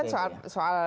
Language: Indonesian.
itu kan soal